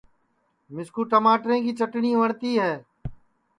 مِسکُو چماٹرے کی چٹٹؔی وٹؔتی ہے